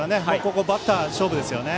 ここはバッター勝負ですね。